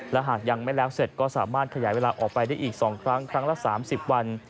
และหากยังไม่แล้วเสร็จก็สามารถขยายเวลาออกไปได้อีก๒ครั้งครั้งละ๓๐วัน